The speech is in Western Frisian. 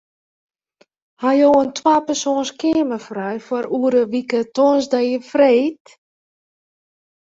Ha jo in twapersoans keamer frij foar oare wike tongersdei en freed?